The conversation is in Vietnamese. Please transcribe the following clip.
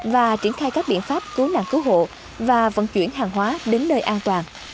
và triển khai các biện pháp cứu nạn cứu hộ và vận chuyển hàng hóa đến nơi an toàn